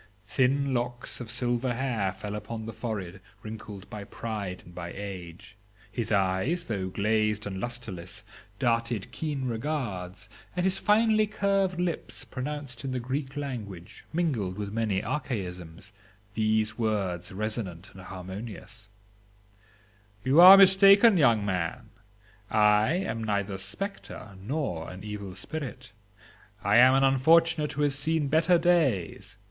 Thin locks of silver hair fell upon the forehead wrinkled by pride and by age; his eyes, though glazed and lustreless, darted keen regards, and his finely curved lips pronounced in the Greek language, mingled with many archaisms, these words resonant and harmonious:—'You are mistaken, young man, I am neither a spectre nor an evil spirit; I am an unfortunate who has seen better days.